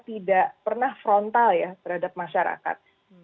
tidak pernah frontal ya terhadap masyarakat